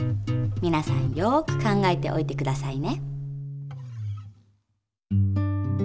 みなさんよく考えておいてくださいね。